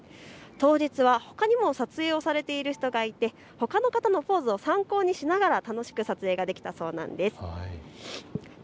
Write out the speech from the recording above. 当日はほかにも撮影をされている方がいて、ほかの方のポーズを参考にしながら楽しく撮影ができたそうなんです。